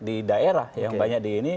di daerah yang banyak di ini